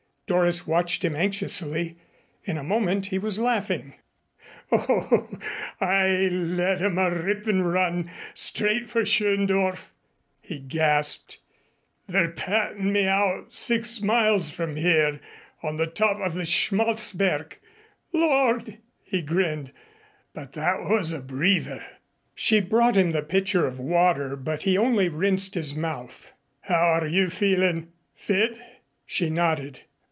Doris watched him anxiously. In a moment he was laughing. "Oh, I led 'em a rippin' run straight for Schöndorf," he gasped. "They're pattin' me out six miles from here on the top of the Schmalzberg. Lord!" he grinned, "but that was a breather." She brought him the pitcher of water but he only rinsed his mouth. "How are you feelin'? Fit?" She nodded.